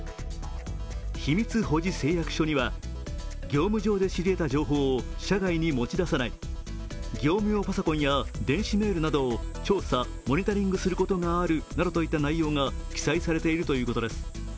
秘密保持誓約書には、業務上で知り得た情報を車外に持ち出さない、業務用パソコンや電子メールなどを調査・モニタリングすることがあるなどといった内容が記載されているということです。